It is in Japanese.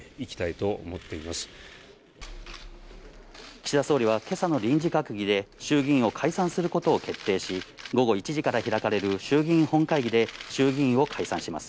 岸田総理は今朝の臨時閣議で衆議院を解散することを決定し、午後１時から開かれる衆議院本会議で衆議院を解散します。